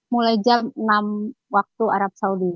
mulai jam enam waktu arab saudi